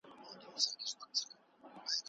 ملا بانګ کولی شي چې خپله کوټه روښانه کړي.